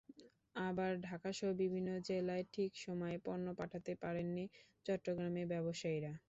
আবার ঢাকাসহ বিভিন্ন জেলায় ঠিক সময়ে পণ্য পাঠাতে পারেননি চট্টগ্রামের ব্যবসায়ীরা।